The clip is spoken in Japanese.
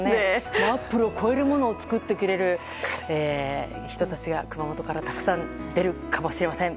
アップルを超えるものを作ってくれる人たちが熊本からたくさん出るかもしれません。